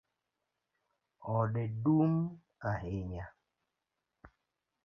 Ode dung ahinya.